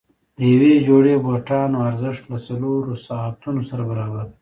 د یوې جوړې بوټانو ارزښت له څلورو ساعتونو سره برابر دی.